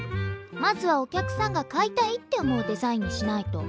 まずはお客さんが買いたいって思うデザインにしないと。